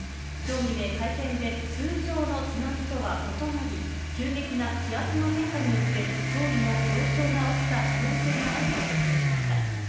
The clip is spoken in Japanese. きょう未明、会見で、通常の津波とは異なり、急激な気圧の変化によって、潮位の上昇が起きた可能性があると説明しました。